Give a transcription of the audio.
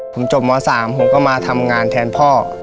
ผมจบม๓ผมก็มาทำงานแทนพ่อ